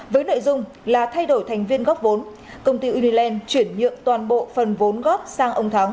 với nội dung là thay đổi thành viên góp vốn công ty uniland chuyển nhượng toàn bộ phần vốn góp sang ông thắng